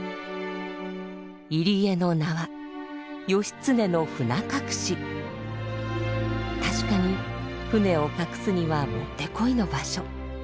入り江の名は確かに船を隠すにはもってこいの場所。